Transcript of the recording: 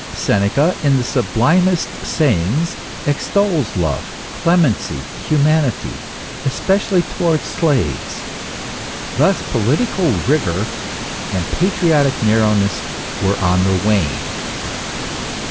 Seneca, in the sublimest sayings, extols love, clemency, humanity, especially towards slaves. Thus political rigour and patriotic narrowness were on the wane.